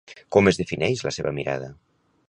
Com es defineix la seva mirada?